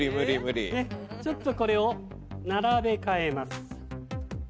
ちょっとこれを並べ替えます。